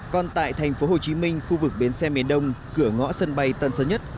còn tại tp hcm khu vực bến xe miền đông cửa ngõ sân bay tân sơn nhất